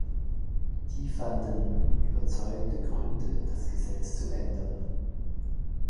Die fanden "überzeugende Gründe, das Gesetz zu ändern".